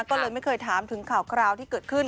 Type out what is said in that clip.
ก็เลยไม่เคยถามถึงข่าวคราวที่เกิดขึ้น